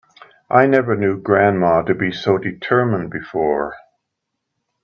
I never knew grandma to be so determined before.